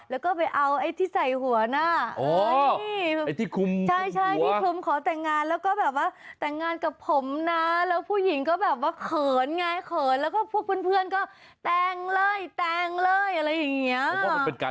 แล้วก็ไปเอาไอ้ที่ใส่หัวหน้า